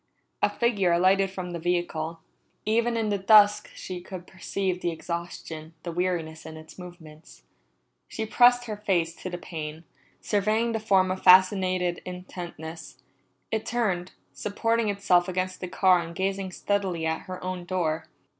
A figure alighted from the vehicle. Even in the dusk she could perceive the exhaustion, the weariness in its movements. She pressed her face to the pane, surveying the form with fascinated intentness. It turned, supporting itself against the car and gazing steadily at her own door.